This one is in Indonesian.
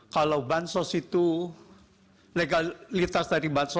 kalau bansos itu legalitas dari bansos